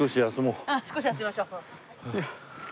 うん少し休みましょう。